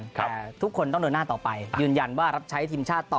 แต่ทุกคนต้องเดินหน้าต่อไปยืนยันว่ารับใช้ทีมชาติต่อ